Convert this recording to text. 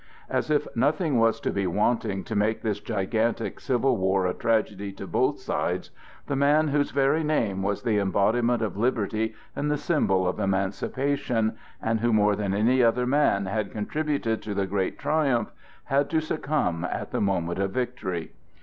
As if nothing was to be wanting to make this gigantic Civil War a tragedy to both sides, the man whose very name was the embodiment of liberty and the symbol of emancipation, and who more than any other man had contributed to the great triumph, had to succumb at the moment of victory.